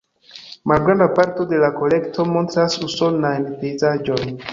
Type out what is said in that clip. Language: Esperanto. Malgranda parto de la kolekto montras usonajn pejzaĝojn.